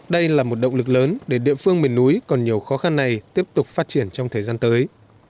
đây là một động lực lớn để địa phương miền núi còn nhiều khó khăn này tiếp tục phát triển trong thời gian tới